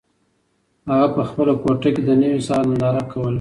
هغه په خپله کوټه کې د نوي سهار ننداره کوله.